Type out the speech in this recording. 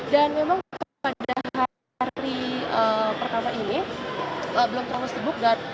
dan memang pada hari pertama ini belum terlalu sibuk dan